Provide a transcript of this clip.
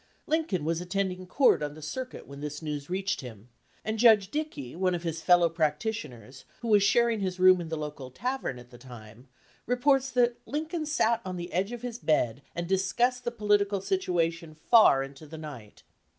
Lincoln was attending court on the circuit when this news reached him, and Judge Dickey, one of his fellow practitioners, who was sharing his room in the local tavern at the time, reports that Lincoln sat on the edge of his bed and discussed the political situation far into the night.